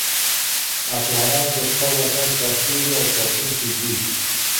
افغانان د خپل وطن سرتيري او ساتونکي دي.